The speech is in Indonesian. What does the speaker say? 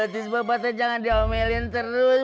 tis bapak itu jangan diomelin terus